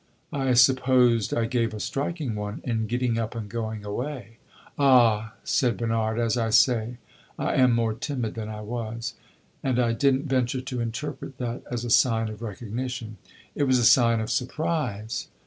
"I supposed I gave a striking one in getting up and going away." "Ah!" said Bernard, "as I say, I am more timid than I was, and I did n't venture to interpret that as a sign of recognition." "It was a sign of surprise."